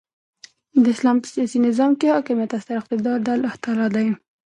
د اسلام په سیاسي نظام کښي حاکمیت او ستر اقتدار د االله تعالى دي.